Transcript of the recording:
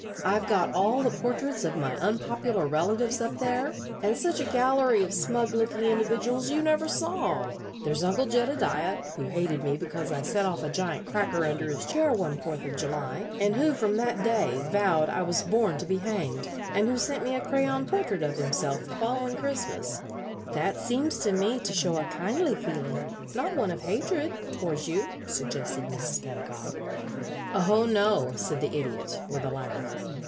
I've got all the portraits of my unpopular relatives up there, and such a gallery of smug looking individuals you never saw. There's Uncle Jedediah, who hated me because I set off a giant cracker under his chair one Fourth of July, and who from that day vowed I was born to be hanged; and who sent me a crayon portrait of himself the following Christmas " "That seems to me to show a kindly feeling, not one of hatred, towards you," suggested Mrs. Pedagog. [Illustration: "'WOULD HANG THAT PORTRAIT UPON THE WALL OF MY BEDROOM'"] "Oh no," said the Idiot, with a laugh.